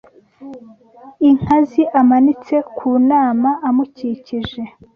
inkazi amanitse ku nama; amukikije